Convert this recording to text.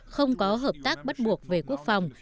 không có hợp tác bắt buộc về quốc phòng